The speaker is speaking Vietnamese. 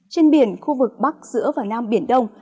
trên biển khu vực bắc giữa và nam biển đông